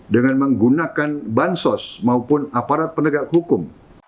dengan menggunakan bansos maupun aparat penegak hukum